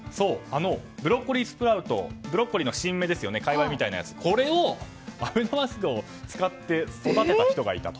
ブロッコリースプラウトブロッコリーの新芽かいわれみたいなものをこれをアベノマスクを使って育てた人がいたと。